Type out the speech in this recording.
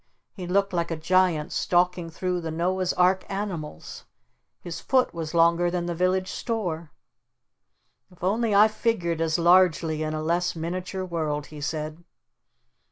He looked like a giant stalking through the Noah's Ark animals! His foot was longer than the village store! "If only I figured as largely in a less miniature world!" he said.